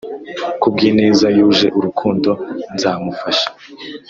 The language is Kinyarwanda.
ku bw’ ineza yuje urukundo nzamufasha.